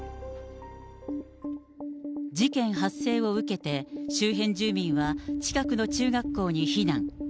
事件発生を受けて、周辺住民は近くの中学校に避難。